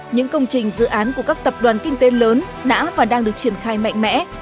những công trình dự án của các tập đoàn kinh tế lớn đã và đang được triển khai mạnh mẽ